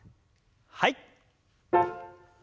はい。